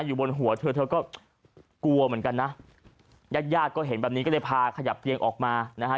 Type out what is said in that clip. อยู่บนหัวเธอเธอก็กลัวเหมือนกันนะญาติญาติก็เห็นแบบนี้ก็เลยพาขยับเตียงออกมานะฮะ